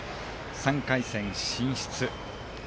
３回戦進出。